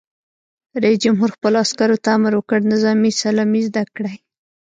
رئیس جمهور خپلو عسکرو ته امر وکړ؛ نظامي سلامي زده کړئ!